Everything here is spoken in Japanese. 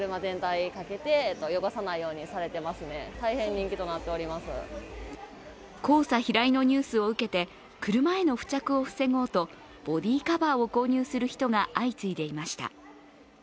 カー用品販売店では黄砂飛来のニュースを受けて車への付着を防ごうとボディーカバーを購入する人が相次いでいました。